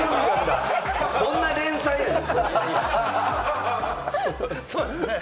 どんな連載やねん！